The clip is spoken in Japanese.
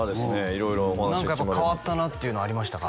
色々お話が決まる何かやっぱ変わったなっていうのありましたか？